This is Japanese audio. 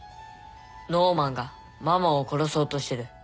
ノーマンがママを殺そうとしてる。